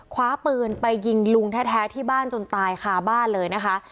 คว้าปืนไปยิงลุงแท้ที่บ้านจนตายคาบ้านเลยนะคะ